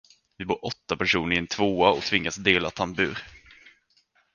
Vi bor åtta personer i en tvåa och tvingas dela tambur.